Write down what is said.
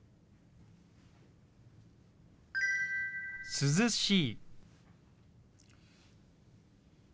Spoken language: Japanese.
「涼しい」。